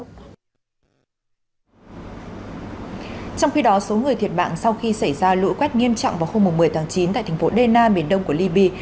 trong khi đó số người thiệt mạng sau khi xảy ra lũ quét nghiêm trọng vào hôm một mươi tháng chín tại thành phố dena miền đông của liby